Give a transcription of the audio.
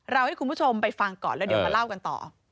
ให้คุณผู้ชมไปฟังก่อนแล้วเดี๋ยวมาเล่ากันต่อ